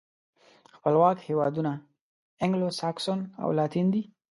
خپلواک هېوادونه انګلو ساکسوسن او لاتین دي.